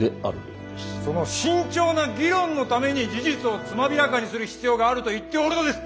その慎重な議論のために事実をつまびらかにする必要があると言っておるのです！